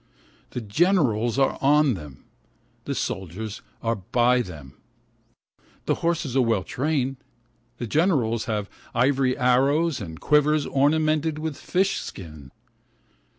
The generals are on them, the soldiers are by them The horses are well trained, the generals have ivory arrows and quivers ornamented with fish skin.